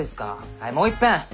はいもういっぺん！